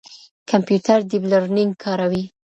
کمپيوټر ډيپ لرنينګ کاروي.